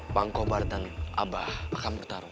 bang kobar dan abah akan muktaro